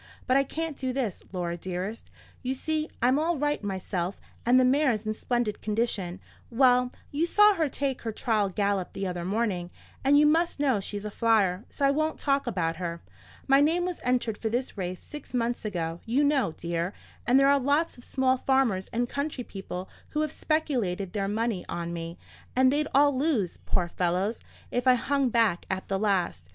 But I can't do this, Laura dearest. You see I'm all right myself, and the mare's in splendid condition;—well, you saw her take her trial gallop the other morning, and you must know she's a flyer, so I won't talk about her. My name was entered for this race six months ago, you know, dear; and there are lots of small farmers and country people who have speculated their money on me; and they'd all lose, poor fellows, if I hung back at the last.